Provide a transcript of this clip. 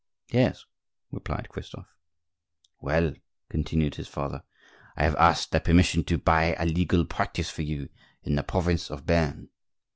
"Yes," replied Christophe. "Well," continued his father, "I have asked their permission to buy a legal practice for you in the province of Bearn.